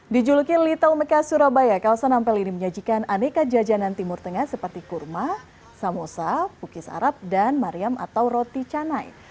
dijuluki little meka surabaya kawasan ampel ini menyajikan aneka jajanan timur tengah seperti kurma samosa pukis arab dan mariam atau roti canai